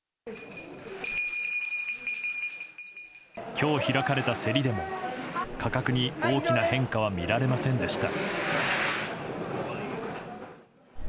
今日開かれた競りでも価格に大きな変化は見られませんでした。